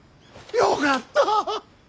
よかった！